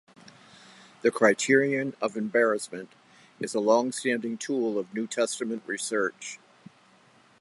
The criterion of embarrassment is a long-standing tool of New Testament research.